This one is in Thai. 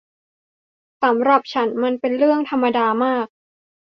สำหรับฉันมันเป็นเรื่องธรรมดามาก